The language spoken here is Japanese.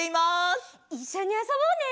いっしょにあそぼうね！